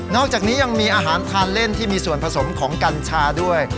อกจากนี้ยังมีอาหารทานเล่นที่มีส่วนผสมของกัญชาด้วย